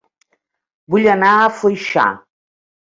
Vull anar a Foixà